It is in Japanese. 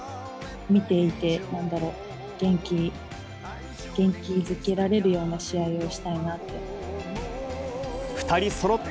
見ていて、なんだろう、元気づけられるような試合をしたいなって。